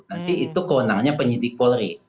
nanti itu kewenangannya penyidik polri